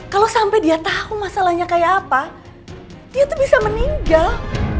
kalau sampai dia tahu masalahnya kayak apa dia tuh bisa meninggal